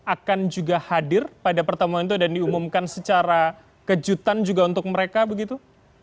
akan juga hadir pada pertemuan itu dan diumumkan secara kejutan juga untuk mereka begitu